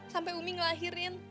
sampai umi ngelahirin